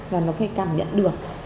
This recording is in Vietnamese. và nó phải cảm nhận được